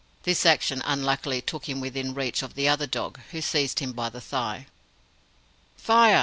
This action unluckily took him within reach of the other dog, which seized him by the thigh. "Fire!"